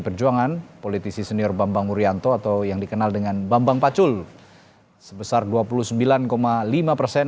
perjuangan politisi senior bambang wuryanto atau yang dikenal dengan bambang pacul sebesar dua puluh sembilan lima persen